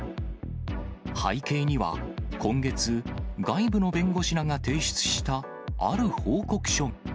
背景には、今月、外部の弁護士らが提出したある報告書。